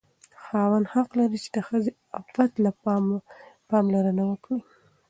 خاوند حق لري چې د ښځې عفت ته پاملرنه وکړي.